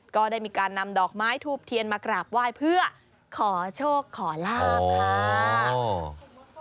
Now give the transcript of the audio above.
ก็ได้มีการนำดอกไม้ทูบเทียนมากราบไหว้เพื่อขอโชคขอลาบค่ะ